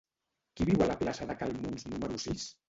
Qui viu a la plaça de Cal Muns número sis?